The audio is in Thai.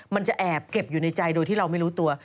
มันจะแอบเก็บอยู่ในใจโดยที่เราไม่รู้ตัว